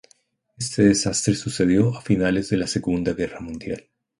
Este desastre sucedió a finales de la Segunda Guerra Mundial.